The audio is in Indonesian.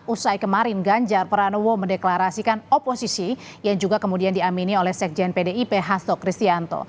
usai kemarin ganjar pranowo mendeklarasikan oposisi yang juga kemudian diamini oleh sekjen pdip hasto kristianto